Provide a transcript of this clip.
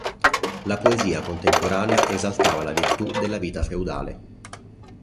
La poesia contemporanea esaltava la virtù della vita feudale.